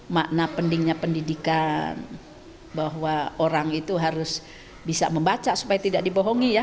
makna pendingnya pendidikan bahwa orang itu harus bisa membaca supaya tidak dibohongi ya